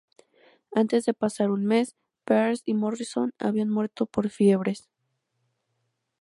Antes de pasar un mes, Pearce y Morrison habían muerto por fiebres.